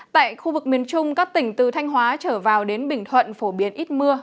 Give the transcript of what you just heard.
tại khu vực miền trung các tỉnh từ thanh hóa trở vào đến bình thuận phổ biến ít mưa